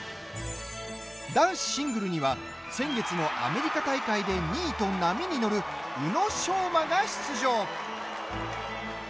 男子シングルには先月のアメリカ大会で２位と波に乗る、宇野昌磨が出場。